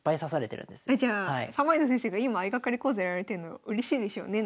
じゃあ三枚堂先生が今相掛かり講座やられてるのうれしいでしょうね